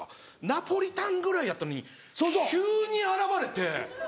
ナポリタンぐらいやったのに急に現れて。